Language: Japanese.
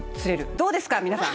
どうですか皆さん！